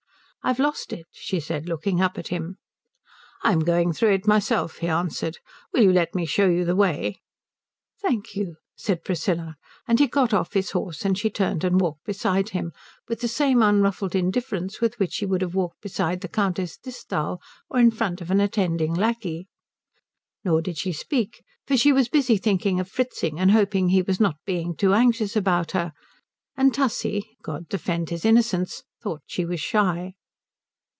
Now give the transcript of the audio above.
"I've lost it," she said, looking up at him. "I'm going through it myself," he answered. "Will you let me show you the way?" "Thank you," said Priscilla; and he got off his horse and she turned and walked beside him with the same unruffled indifference with which she would have walked beside the Countess Disthal or in front of an attending lacquey. Nor did she speak, for she was busy thinking of Fritzing and hoping he was not being too anxious about her, and Tussie (God defend his innocence) thought she was shy.